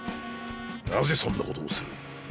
なぜそんなことをする？